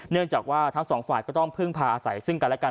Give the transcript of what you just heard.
เนื่องจากว่าทั้งสองฝ่ายก็ต้องพึ่งพาอาศัยซึ่งกันและกัน